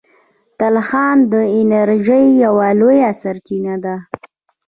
تلخان د انرژۍ یوه لویه سرچینه ده.